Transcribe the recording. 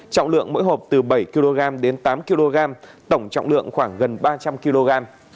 trọng lượng mỗi hộp từ bảy kg đến tám kg tổng trọng lượng khoảng gần ba trăm linh kg